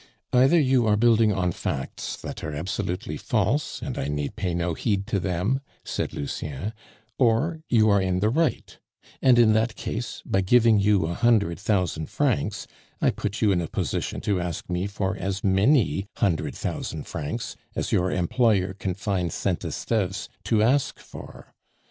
"Either you are building on facts that are absolutely false, and I need pay no heed to them," said Lucien; "or you are in the right; and in that case, by giving you a hundred thousand francs, I put you in a position to ask me for as many hundred thousand francs as your employer can find Saint Esteves to ask for.